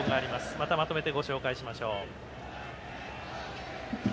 また、まとめてご紹介しましょう。